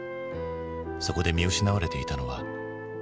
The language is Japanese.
そこで見失われていたのは？